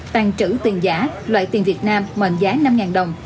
tàn trữ tiền giả loại tiền việt nam mệnh giá năm đồng